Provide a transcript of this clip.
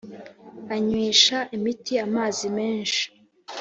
Anywesha imiti amazi menshi